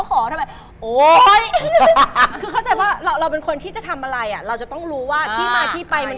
สคริปต์อยู่ไหน